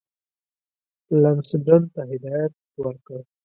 لمسډن ته هدایت ورکړ.